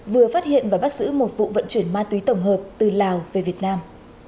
vừa phát hiện và bắt giữ một vụ vận chuyển ma túy tổng hợp từ lào về việt nam